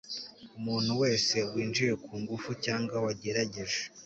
Umuntu wese winjiye ku ngufu cyangwa wagerageje